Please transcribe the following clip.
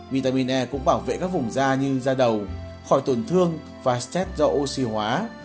vitamin e cũng bảo vệ các vùng da như da đầu khỏi tổn thương và stress do oxy hóa